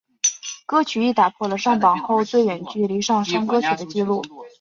歌曲亦打破了上榜后最远距离上升歌曲的记录。